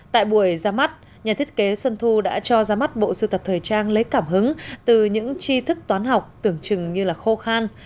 tại buổi ra mắt nhà thiết kế xuân thu đã cho ra mắt bộ sưu tập thời trang lấy cảm hứng từ những chi thức toán học tưởng chừng như là khô khan